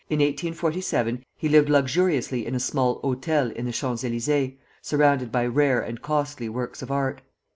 In 1847 he lived luxuriously in a small hôtel in the Champs Elysées, surrounded by rare and costly works of art.